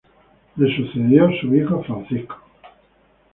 Fue sucedido por su hijo Francisco.